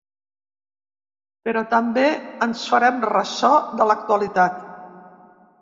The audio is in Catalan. Però també ens farem ressò de l’actualitat.